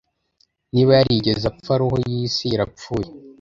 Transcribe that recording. Niba yarigeze apfa roho yisi irapfuye